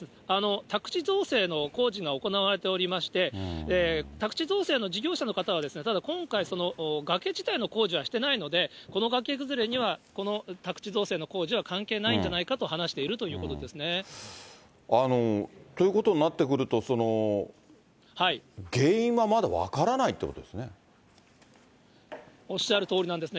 宅地造成の工事が行われておりまして、宅地造成の事業者の方は、ただ今回、崖自体の工事はしてないので、このがけ崩れにはこの宅地造成の工事は関係ないんじゃないかと話しているということですね。ということになってくると、原因はまだ分からないってことでおっしゃるとおりなんですね。